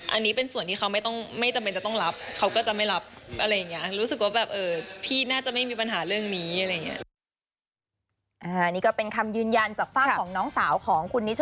อันนี้เป็นส่วนที่เขาไม่จำเป็นจะต้องรับเขาก็จะไม่รับอะไรอย่างนี้